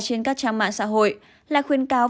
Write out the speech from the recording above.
trên các trang mạng xã hội là khuyến cáo